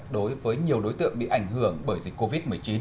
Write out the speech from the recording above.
đối với nhiều đối tượng bị ảnh hưởng bởi dịch covid một mươi chín